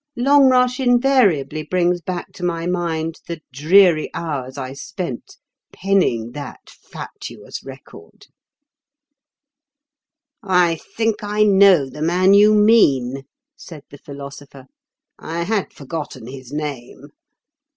Longrush invariably brings back to my mind the dreary hours I spent penning that fatuous record." "I think I know the man you mean," said the Philosopher. "I had forgotten his name."